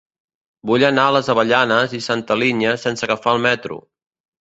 Vull anar a les Avellanes i Santa Linya sense agafar el metro.